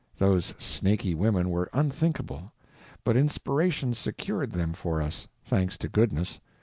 Those snaky women were unthinkable, but inspiration secured them for us, thanks to goodness.